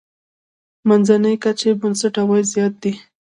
منځنۍ کچې نسبت عوايد زیات دي.